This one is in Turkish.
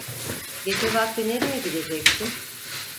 Gece vakti nereye gideceksin?